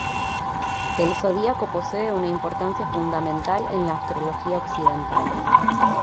El zodiaco posee una importancia fundamental en la astrología occidental.